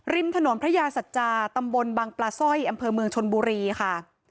ริมถนนพระยาสัจจาตำบลบังปลาสร้อยอำเภอเมืองชนบุรีค่ะ